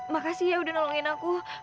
makasih ya udah nolongin aku